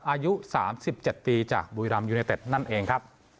อายุ๓๗ปีจากบุรีรัมยูเนเต็ดนั่นเองครับ